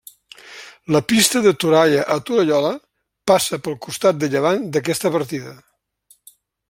La Pista de Toralla a Torallola passa pel costat de llevant d'aquesta partida.